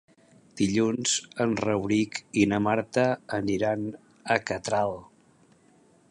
Dilluns en Rauric i na Marta aniran a Catral.